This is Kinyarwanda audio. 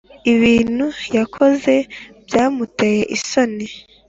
ibintu yakoze byamuteye isoni